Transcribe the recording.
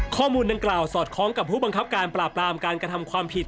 ข้อมูลดังกล่าวสอดคล้องกับผู้บังคับการปราบรามการกระทำความผิด